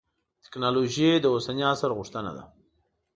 تکنالوجي د اوسني عصر غوښتنه ده.